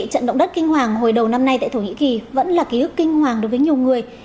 trận động đất kinh hoàng hồi đầu năm nay tại thổ nhĩ kỳ vẫn là ký ức kinh hoàng đối với nhiều người